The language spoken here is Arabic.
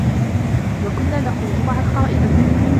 وَكُنّا نَخوضُ مَعَ الخائِضينَ